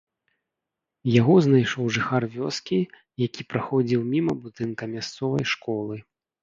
Яго знайшоў жыхар вёскі, які праходзіў міма будынка мясцовай школы.